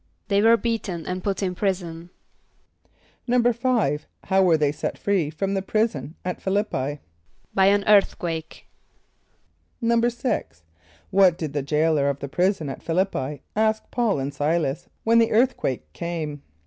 =They were beaten and put in prison.= =5.= How were they set free from the prison at Ph[)i] l[)i]p´p[=i]? =By an earthquake.= =6.= What did the jailor of the prison at Ph[)i] l[)i]p´p[=i] ask P[a:]ul and S[=i]´las when the earthquake came?